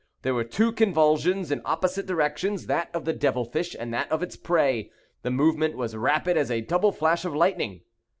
There were two convulsions in opposite directions; that of the devil fish and that of its prey. The movement was rapid as a double flash of lightning.